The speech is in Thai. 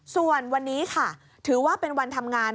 ส่วนวันนี้ค่ะถือว่าเป็นวันทำงาน